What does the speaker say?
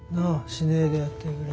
しねえでやってくれ。